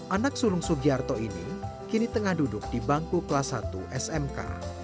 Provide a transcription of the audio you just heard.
anak sulung sugiarto ini kini tengah duduk di bangku kelas satu smk